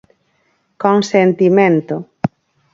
Con sentimento.